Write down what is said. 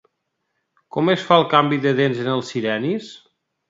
Com es fa el canvi de dents en els sirenis?